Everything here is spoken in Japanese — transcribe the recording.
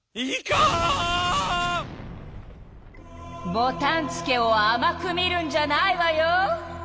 ボタンつけをあまく見るんじゃないわよ！